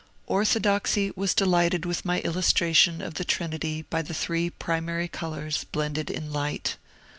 Orthodoxy was delighted with my illustration of the Trinity by the three primary colours blended in light.